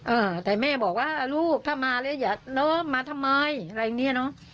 อ่าแต่แม่บอกว่าลูกถ้ามาแล้วอย่าล้อมมาทำไมอะไรอย่างเงี้ยเนอะ